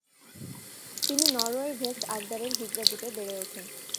তিনি নরওয়ের ভেস্ট-আগডারের হিদ্রা দ্বীপে বেড়ে ওঠেন।